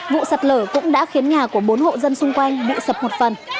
vụ sạt lở cũng đã khiến nhà của bốn hộ dân xung quanh bị sập một phần